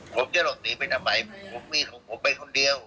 ผมจะหลบหนีไปทำไมผมมีของผมไปคนเดียว